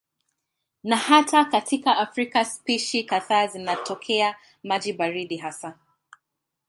Na hata katika Afrika spishi kadhaa zinatokea maji baridi hasa.